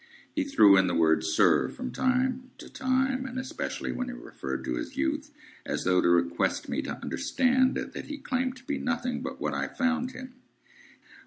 He threw in the word, "Sir," from time to time, and especially when he referred to his youth,—as though to request me to understand that he claimed to be nothing but what I found him.